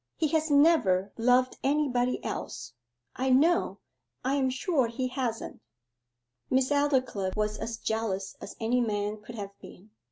'He has never loved anybody else, I know I am sure he hasn't.' Miss Aldclyffe was as jealous as any man could have been.